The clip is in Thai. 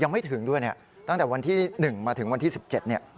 ไม่ถึงด้วยเนี่ยตั้งแต่วันที่๑มาถึงวันที่๑๗เนี่ย